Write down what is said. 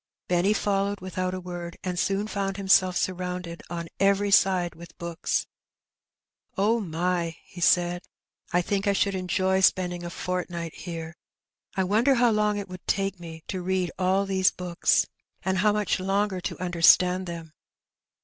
^* Benny followed without a word, and soon found himself surrounded on every side with books. " Oh, my !^^ he said, " I think I should enjoy spending a fortnight here. I wonder how long it would take me to read all these books, and how much longer to understand them